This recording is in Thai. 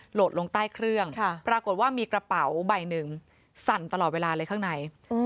โหลดลงใต้เครื่องปรากฏว่ามีกระเป๋าใบหนึ่งสั่นตลอดเวลาเลยข้างใน